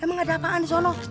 emang ada apaan disono